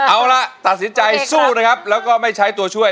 เอาล่ะตัดสินใจสู้นะครับแล้วก็ไม่ใช้ตัวช่วย